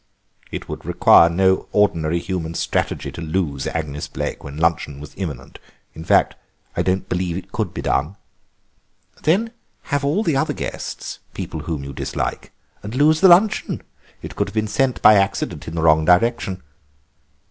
"It would require no ordinary human strategy to lose Agnes Blaik when luncheon was imminent: in fact, I don't believe it could be done." "Then have all the other guests, people whom you dislike, and lose the luncheon. It could have been sent by accident in the wrong direction."